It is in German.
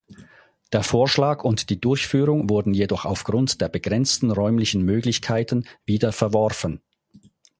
Der Vorschlag und die Durchführung wurden jedoch aufgrund der begrenzten räumlichen Möglichkeiten wieder verworfen.